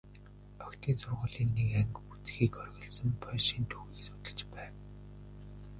Охидын сургуулийн нэг анги үзэхийг хориглосон польшийн түүхийг судалж байв.